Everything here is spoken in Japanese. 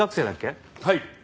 はい。